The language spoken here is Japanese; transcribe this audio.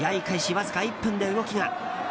わずか１分で動きが。